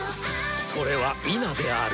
それは「否」である！